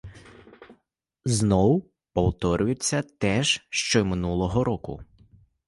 Знов повторюється те ж, що й минулого року.